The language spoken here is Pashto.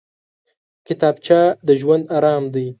کتابچه د ژوند ارام دی